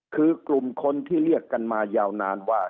คือกลุ่มคนที่เรียกกันมายาวนานว่า